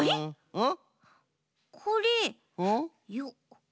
うん。